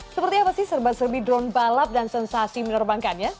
seperti apa sih serba serbi drone balap dan sensasi menerbangkannya